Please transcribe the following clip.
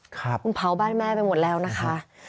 ครับครับคุณเผาบ้านแม่ไปหมดแล้วนะคะ